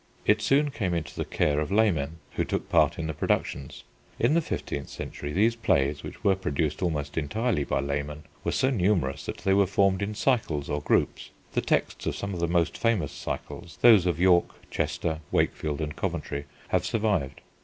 It soon came into the care of laymen, who took part in the productions. In the fifteenth century, these plays, which were produced almost entirely by laymen, were so numerous that they were formed in cycles or groups. The texts of some of the most famous cycles, those of York, Chester, Wakefield, and Coventry, have survived.